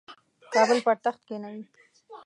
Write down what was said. کابل پر تخت کښېنوي.